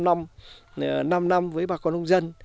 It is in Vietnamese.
năm năm với bà con nông dân